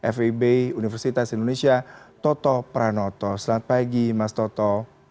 fib universitas indonesia toto pranoto selamat pagi mas toto